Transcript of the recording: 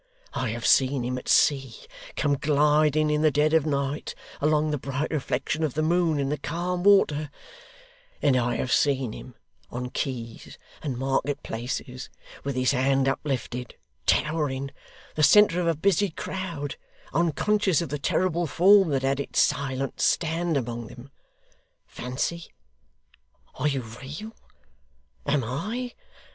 I have seen him, at sea, come gliding in the dead of night along the bright reflection of the moon in the calm water; and I have seen him, on quays and market places, with his hand uplifted, towering, the centre of a busy crowd, unconscious of the terrible form that had its silent stand among them. Fancy! Are you real? Am I?